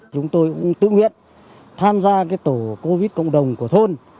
chúng tôi cũng tự nguyện tham gia tổ covid cộng đồng của thôn